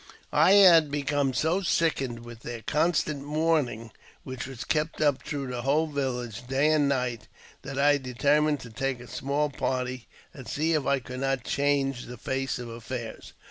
I had become so sickened with their constant mourningj which was kept up through the whole village day and night, that I determined to take a small party and see if I could nol ■change the face of affairs.